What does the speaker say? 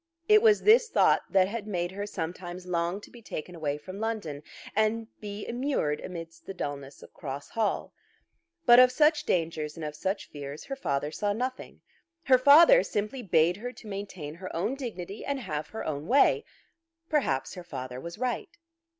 It was this thought that had made her sometimes long to be taken away from London and be immured amidst the dulness of Cross Hall. But of such dangers and of such fears her father saw nothing. Her father simply bade her to maintain her own dignity and have her own way. Perhaps her father was right.